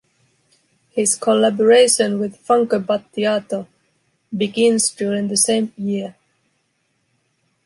His collaboration with Franco Battiato begins during the same year.